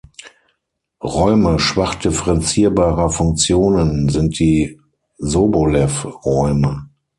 Räume schwach differenzierbarer Funktionen sind die Sobolev-Räume.